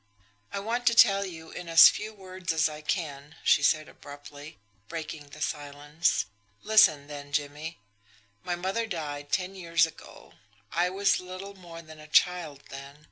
"I want to tell you in as few words as I can," she said abruptly, breaking the silence. "Listen, then, Jimmie. My mother died ten years ago. I was little more than a child then.